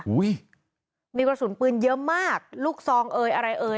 อุ้ยมีกระสุนปืนเยอะมากลูกซองเอ่ยอะไรเอ่ย